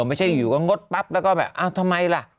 ไม่ใช่อยู่ก็งดปั๊บแล้วก็แบบอ้าวทำไมล่ะ